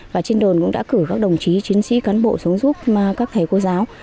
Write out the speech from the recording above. và trên đồn cũng đã cử các đồng chí chiến sĩ cán bộ xuống giúp các thầy cô giáo